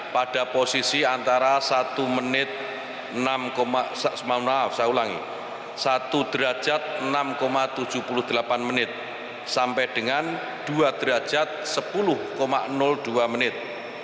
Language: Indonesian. pada posisi antara satu derajat enam tujuh puluh delapan menit sampai dengan dua derajat sepuluh dua menit